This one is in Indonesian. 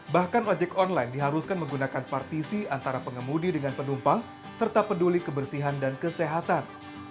bahkan ojek online diharuskan menggunakan partisi antara pengemudi dengan penumpang serta peduli kebersihan dan kesehatan